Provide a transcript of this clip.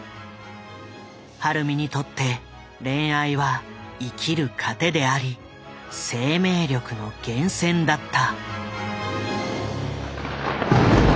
晴美にとって恋愛は生きる糧であり生命力の源泉だった。